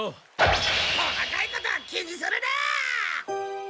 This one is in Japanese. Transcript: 細かいことは気にするな！